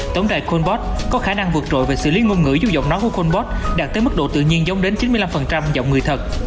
tổng đài colbot có khả năng vượt trội về xử lý ngôn ngữ dù giọng nói của colbot đạt tới mức độ tự nhiên giống đến chín mươi năm giọng người thật